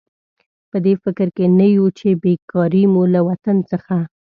په دې فکر کې نه یو چې بېکاري مو له وطن څخه.